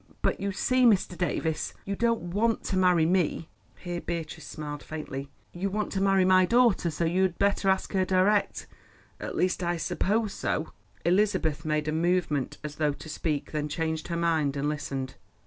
"But you see, Mr. Davies, you don't want to marry me" (here Beatrice smiled faintly)—"you want to marry my daughter, so you had better ask her direct—at least I suppose so." Elizabeth made a movement as though to speak, then changed her mind and listened.